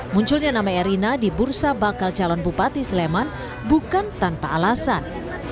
munculnya nama erina di bursa bakal calon bupati sleman bukan tanpa alasan